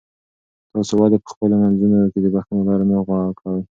تاسو ولې په خپلو منځونو کې د بښنې لاره نه غوره کوئ؟